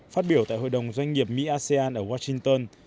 phát biểu tại hội đồng doanh nghiệp mỹ asean ở washington